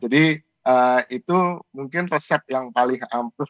jadi itu mungkin resep yang paling ampuh yang paling menarik